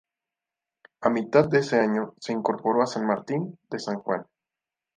A mitad de ese año se incorporó a San Martín de San Juan.